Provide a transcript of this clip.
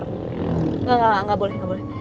enggak enggak enggak boleh enggak boleh